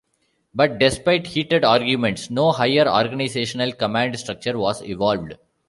But despite heated arguments, no higher organisational command structure was evolved.